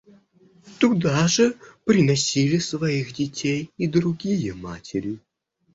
Туда же приносили своих детей и другие матери.